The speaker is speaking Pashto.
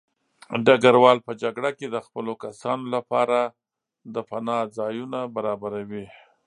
ډګروال په جګړه کې د خپلو کسانو لپاره د پناه ځایونه برابروي.